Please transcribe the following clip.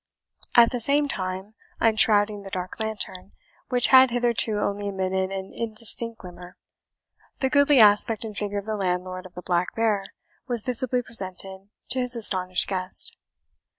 At the same time, unshrouding the dark lantern, which had hitherto only emitted an indistinct glimmer, the goodly aspect and figure of the landlord of the Black Bear was visibly presented to his astonished guest.